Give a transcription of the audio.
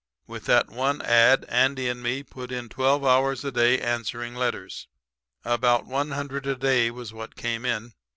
"With that one ad Andy and me put in twelve hours a day answering letters. "About one hundred a day was what came in.